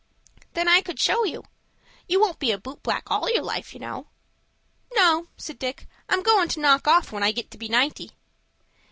"Then I could show you. You won't be a boot black all your life, you know." "No," said Dick; "I'm goin' to knock off when I get to be ninety."